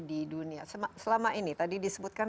di dunia selama ini tadi disebutkan